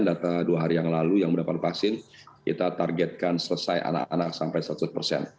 data dua hari yang lalu yang mendapat vaksin kita targetkan selesai anak anak sampai seratus persen